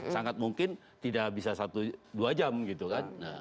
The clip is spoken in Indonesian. sangat mungkin tidak bisa satu dua jam gitu kan